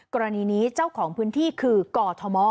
กรณีนี้เจ้าของพื้นที่คือกอทม